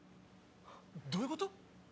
どういうこと？